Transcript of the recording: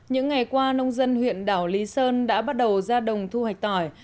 những ngày qua nông dân huyện đảo lý sơn đã bắt đầu ra đồng thu hoạch tỏi